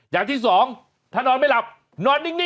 อย่างที่สองถ้านอนไม่หลับนอนนิ่ง